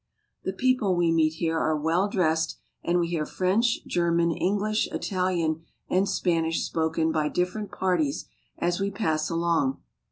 The people we meet here are well dressed, and we hear French, German, English, Italian, and Spanish spoken by different parties as we pass along.